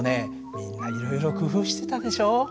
みんないろいろ工夫してたでしょ。